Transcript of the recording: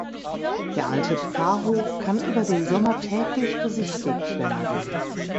Der alte Pfarrhof kann über den Sommer täglich besichtigt werden.